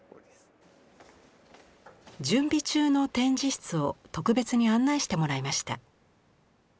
準備中の展示室を特別に案内してもらいました。